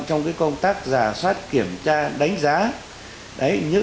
trong công tác giả soát kiểm tra đánh giá